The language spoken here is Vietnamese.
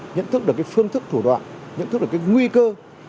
nhận thức được phương thức thủ đoạn nhận thức được nguy cơ